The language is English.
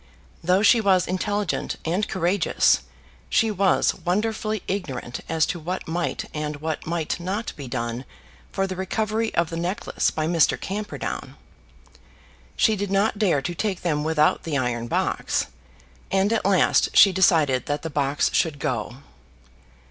Though she was intelligent and courageous, she was wonderfully ignorant as to what might and what might not be done for the recovery of the necklace by Mr. Camperdown. She did not dare to take them without the iron box, and at last she decided that the box should go.